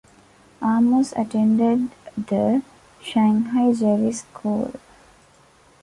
Amos attended the Shanghai Jewish School.